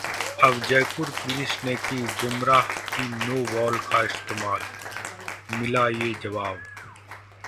अब जयपुर पुलिस ने की बुमराह की 'नो बॉल' का इस्तेमाल, मिला ये जवाब